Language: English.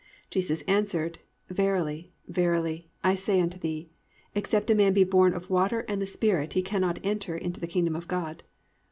... Jesus answered, Verily, verily, I say unto thee, except a man be born of water and the Spirit, he cannot enter into the kingdom of God."